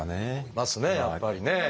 いますねやっぱりね。